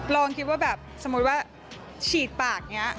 ลองคิดว่าแบบสมมุติว่าฉีดปากอย่างนี้